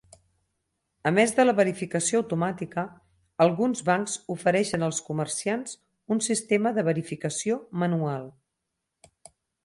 A més de la verificació automàtica, alguns bancs ofereixen els comerciants un sistema de verificació manual.